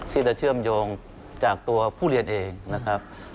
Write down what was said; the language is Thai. ที่จะเชื่อมโยงจากตัวผู้เรียนเองนะครับ